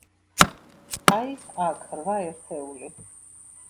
აი, აქ, რვა ერთეული.